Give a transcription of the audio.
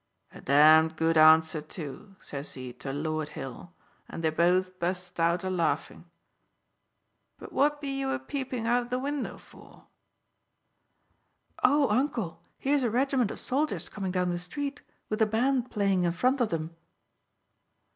'A damned good answer too!' says he to Lord Hill, and they both bu'st out a laughin'. But what be you a peepin' out o' the window for?" "Oh, uncle, here's a regiment of soldiers coming down the street with the band playing in front of them."